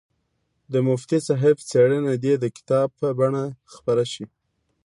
د مفتي صاحب څېړنه دې د کتاب په بڼه خپره شي.